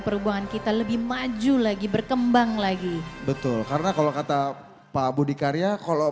perubahan kita lebih maju lagi berkembang lagi betul karena kalau kata pak budi karya kalau